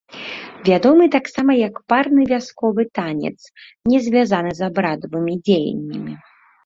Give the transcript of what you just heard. Вядомы таксама як парны вясковы танец, не звязаны з абрадавымі дзеяннямі.